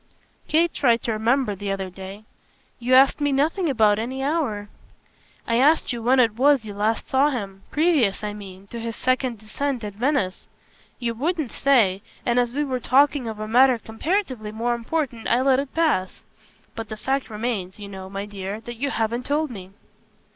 Kate tried to remember the other day. "You asked me nothing about any hour." "I asked you when it was you last saw him previous, I mean, to his second descent at Venice. You wouldn't say, and as we were talking of a matter comparatively more important I let it pass. But the fact remains, you know, my dear, that you haven't told me."